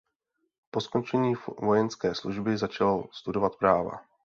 Po skončení vojenské služby začal studovat práva.